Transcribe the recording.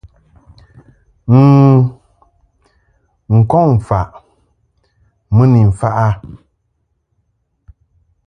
N̂ n-kɔŋ faʼ mɨ ni mfaʼ a.